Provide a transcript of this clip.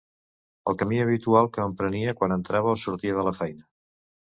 El camí habitual que emprenia quan entrava o sortia de la feina.